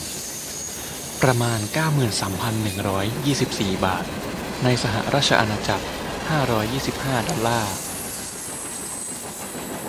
ประมาณ เก้าหมื่นสามพันหนึ่งร้อยยี่สิบสี่ บาท ในสหราชอาณาจักร ห้าร้อยยี่สิบห้า ดอลลาร์